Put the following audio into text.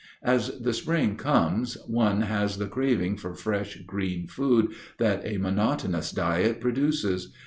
As the spring comes one has the craving for fresh, green food that a monotonous diet produces.